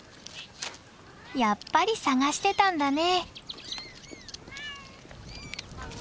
やっぱり捜してたんだね。